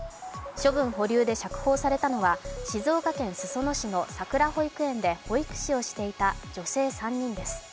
処分保留で釈放されたのは静岡県裾野市のさくら保育園で保育士をしていた女性３人です。